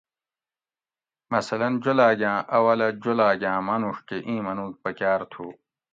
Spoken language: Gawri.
مثلاً جولاۤگاۤں اولہ جولاگاں مانوڄ کہ ایں منوگ پکاۤر تُھو